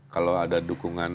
kalau ada dukungan